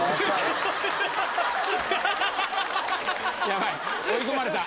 ヤバい追い込まれた。